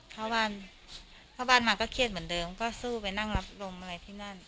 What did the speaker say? เพราะว่าฟะบ้านมาก็เขียนเหมือนเดิมก็สู้ไปนั่งรับโรมอะไรที่นั่น